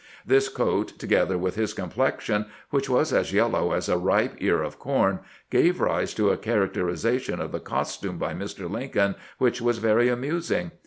This coat, together with his complexion, which was as yellow as a ripe ear of corn, gave rise to a characterization of the costume by Mr. Lincoln which was very amusing.